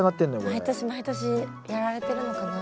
毎年毎年やられてるのかな。